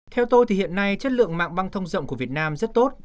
theo tôi thì hiện nay chất lượng mạng băng thông rộng của việt nam rất tốt